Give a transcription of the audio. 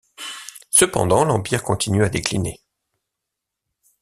Cependant l'empire continue à décliner.